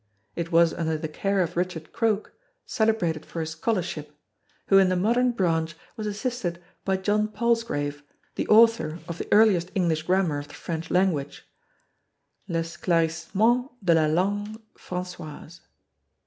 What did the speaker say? It was under the care of Richard Croke, celebrated for his scholarship; who in the modern branch was assisted by John Palsgrave the author of the earliest English grammar of the French language "Lesclarcissement de la langue Francoyse."